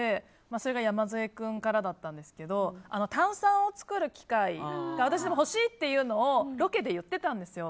それが山添君からだったんですけど炭酸を作る機械、私も欲しいってロケで言ってたんですよ。